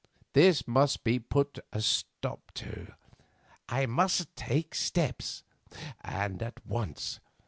This must be put a stop to. I must take steps, and at once.